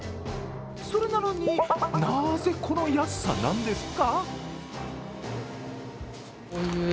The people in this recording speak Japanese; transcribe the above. それなのになぜ、この安さなんですか？